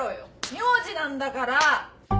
名字なんだから！